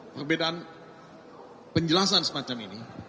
perbedaan penjelasan semacam ini